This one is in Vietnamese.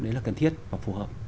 đấy là cần thiết và phù hợp